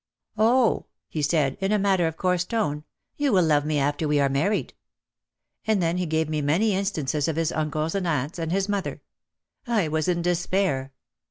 "Oh," he said, in a matter of course tone, "you will love me after we are married." And then he gave me many instances of his uncles and his aunts and his mother. I was in despair.